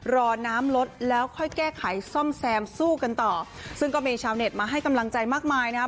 รอน้ำลดแล้วค่อยแก้ไขซ่อมแซมสู้กันต่อซึ่งก็มีชาวเน็ตมาให้กำลังใจมากมายนะครับ